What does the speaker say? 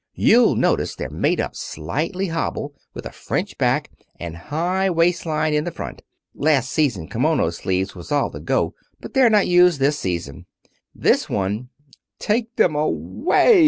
You'll notice they're made up slightly hobble, with a French back, and high waist line in the front. Last season kimono sleeves was all the go, but they're not used this season. This one " "Take them away!"